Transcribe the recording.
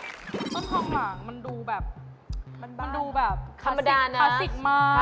ต้นทองหลางมันดูแบบมันดูแบบคลาสสิกมาก